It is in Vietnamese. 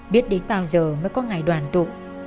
biết đến bao giờ mới có ngày đoàn tụ